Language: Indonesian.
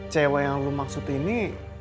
cewek yang kamu maksudkan ini